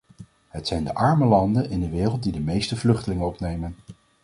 Het zijn de arme landen in de wereld die de meeste vluchtelingen opnemen.